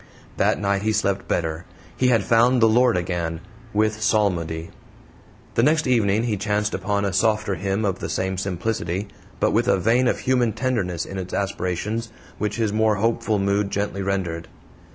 That night he slept better. He had found the Lord again with Psalmody! The next evening he chanced upon a softer hymn of the same simplicity, but with a vein of human tenderness in its aspirations, which his more hopeful mood gently rendered.